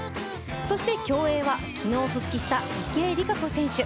そして競泳は昨日復帰した池江璃花子選手。